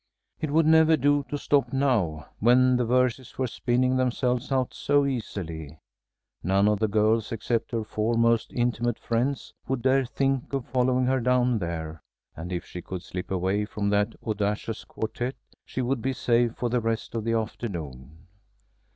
It would never do to stop now, when the verses were spinning themselves out so easily. None of the girls, except her four most intimate friends, would dare think of following her down there, and if she could slip away from that audacious quartette, she would be safe for the rest of the afternoon.